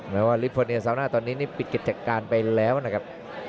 ว่าลิฟอร์เนียซาวน่าตอนนี้นี่ปิดกิจการไปแล้วนะครับ